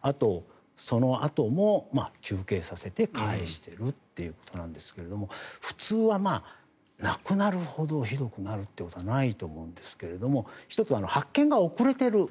あとは、そのあとも休憩させて帰しているということですが普通は亡くなるほどひどくなることはないと思うんですが１つ、発見が遅れている。